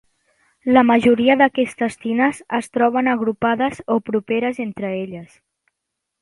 La majoria d'aquestes tines es troben agrupades o properes entre elles.